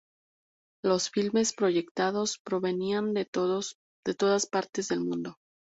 Los filmes proyectados provenían de todas partes del mundo.